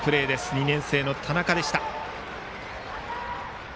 ２年生の田中でした。